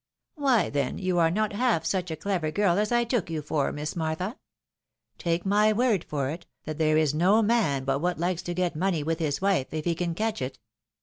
"Why, then you are not half such a clever girl as I took you for. Miss Martha. Take my word for it, that there is nd man but what likes to get money with his wife, if he can catch it."